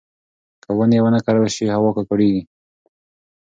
که ونې ونه کرل شي، هوا ککړېږي.